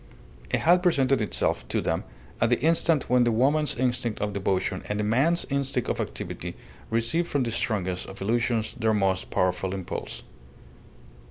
It had presented itself to them at the instant when the woman's instinct of devotion and the man's instinct of activity receive from the strongest of illusions their most powerful impulse.